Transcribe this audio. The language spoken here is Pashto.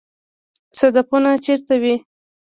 صدفونه چیرته وي؟